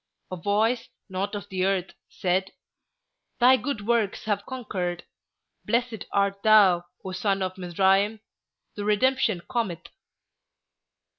A voice, not of the earth, said, 'Thy good works have conquered. Blessed art thou, O son of Mizraim! The redemption cometh.